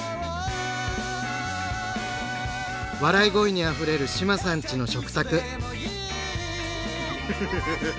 笑い声にあふれる志麻さんちの食卓。